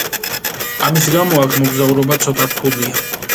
ამის გამო აქ მოგზაურობა ცოტა რთულია.